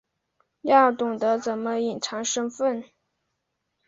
要懂得怎么隐藏身份